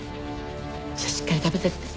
じゃあしっかり食べてって。